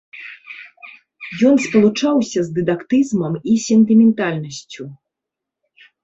Ён спалучаўся з дыдактызмам і сентыментальнасцю.